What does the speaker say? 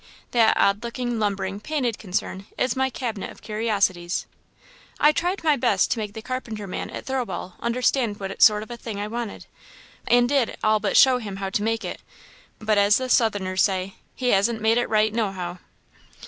That odd looking, lumbering, painted concern is my cabinet of curiosities. I tried my best to make the carpenter man at Thirlwall understand what sort of a thing I wanted, and did all but show him how to make it; but, as the southerners say, 'he hasn't made it right nohow!'